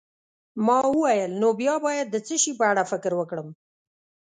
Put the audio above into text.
ما وویل: نو بیا باید د څه شي په اړه فکر وکړم؟